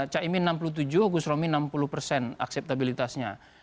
caimin enam puluh tujuh gus romi enam puluh persen akseptabilitasnya